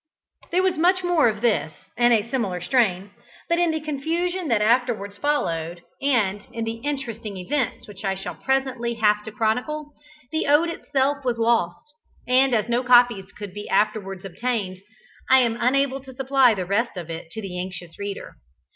There was much more of this, in a similar strain, but in the confusion that afterwards followed, and in the interesting events which I shall presently have to chronicle, the ode itself was lost, and as no copies could be afterwards obtained, I am unable to supply the rest of it to the anxious reader.